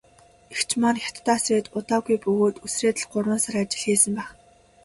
Эгч маань Хятадаас ирээд удаагүй бөгөөд үсрээд л гурван сар ажил хийсэн байх.